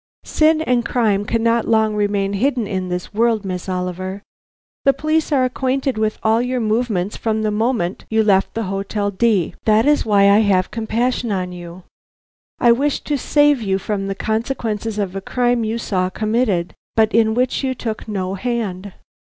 "Sin and crime cannot long remain hidden in this world, Miss Oliver. The police are acquainted with all your movements from the moment you left the Hotel D . That is why I have compassion on you. I wish to save you from the consequences of a crime you saw committed, but in which you took no hand."